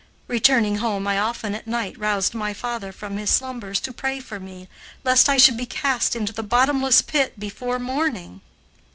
Returning home, I often at night roused my father from his slumbers to pray for me, lest I should be cast into the bottomless pit before morning.